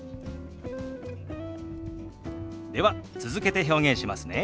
では続けて表現しますね。